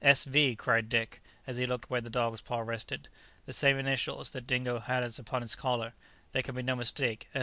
"S. V.," cried Dick, as he looked where the dog's paw rested; "the same initials that Dingo has upon his collar. There can be no mistake.